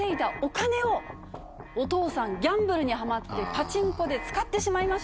お父さんギャンブルにハマってパチンコで使ってしまいました。